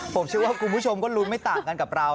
ผมเชื่อว่าคุณผู้ชมก็ลุ้นไม่ต่างกันกับเรา